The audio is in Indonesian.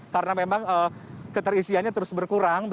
karena memang keterisiannya terus berkurang